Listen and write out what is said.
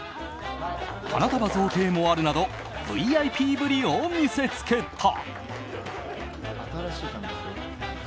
花束贈呈もあるなどＶＩＰぶりを見せつけた。